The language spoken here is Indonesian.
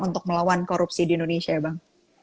untuk melawan korupsi di indonesia ya bang